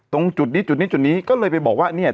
ตรงจุดนี้จุดนี้จุดนี้ก็เลยไปบอกว่าเนี่ย